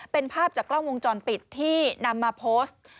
เป็นภาพจากกล้องวงจรปิดที่นำมาโพสต์